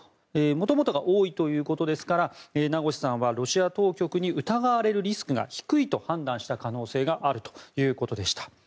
元々が多いということですが名越さんはロシア当局に疑われるリスクが低いと判断した可能性があるということでした。